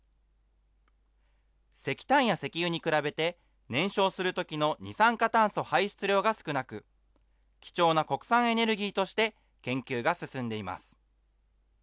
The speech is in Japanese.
石炭や石油に比べて、燃焼するときの二酸化炭素排出量が少なく、貴重な国産エネルギーとして研究が進んでいます。